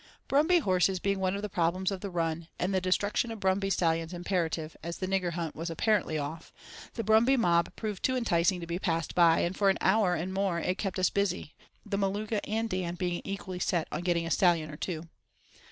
Brumby horses being one of the problems of the run, and the destruction of brumby stallions imperative, as the nigger hunt was apparently off, the brumby mob proved too enticing to be passed by, and for an hour and more it kept us busy, the Maluka and Dan being equally "set on getting a stallion or two."